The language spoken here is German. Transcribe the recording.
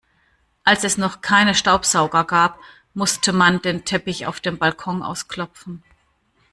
Als es noch keine Staubsauger gab, musste man den Teppich auf dem Balkon ausklopfen.